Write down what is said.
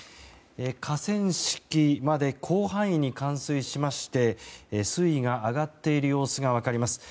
河川敷まで広範囲に冠水しまして水位が上がっている様子が分かります。